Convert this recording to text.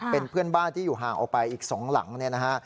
เป็นเพื่อนบ้านที่อยู่ห่างออกไปอีก๒หลังเนี่ยนะฮะ